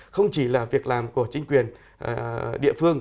không chỉ là việc làm của chính quyền địa phương